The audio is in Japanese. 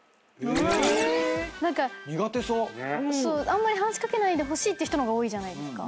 あんまり話し掛けないでほしいって人のが多いじゃないですか。